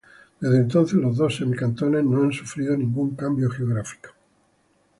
Desde entonces, los dos semi-cantones no han sufrido ningún cambio geográfico.